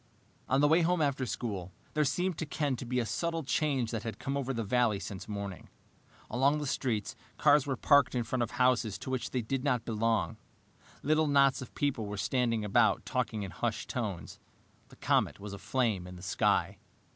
On the way home after school, there seemed to Ken to be a subtle change that had come over the valley since morning. Along the streets, cars were parked in front of houses to which they did not belong. Little knots of people were standing about, talking in hushed tones. The comet was aflame in the sky.